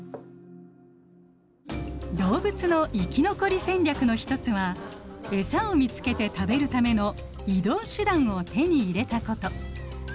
動物の生き残り戦略の一つはエサを見つけて食べるための移動手段を手に入れたこと。